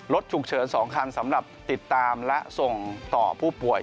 รถฉุกเฉิน๒คันสำหรับติดตามและส่งต่อผู้ป่วย